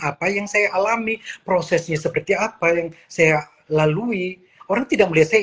apa yang saya alami prosesnya seperti apa yang saya lalui orang tidak melihat saya